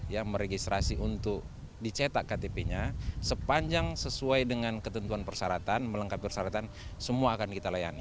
yang meregistrasi untuk dicetak ktp nya sepanjang sesuai dengan ketentuan persyaratan melengkapi persyaratan semua akan kita layani